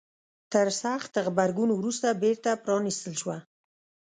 تر سخت غبرګون وروسته بیرته پرانيستل شوه.